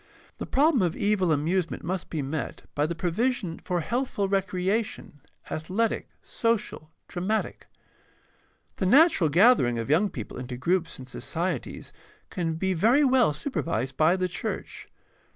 The problem of evil amusement must be met PRACTICAL THEOLOGY 6oi by the provision for healthful recreation, athletic, social, dramatic. The natural gathering of young people into groups and societies can be very well supervised by the church.